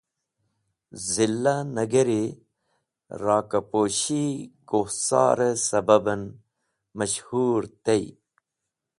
Zila Nagari Rakaposhi kuhsare sababen Mash-hur tey.